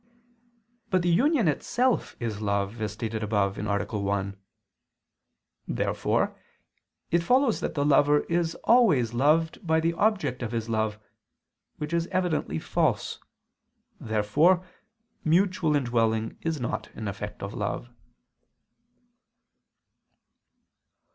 But the union itself is love, as stated above (A. 1). Therefore it follows that the lover is always loved by the object of his love; which is evidently false. Therefore mutual indwelling is not an effect of love.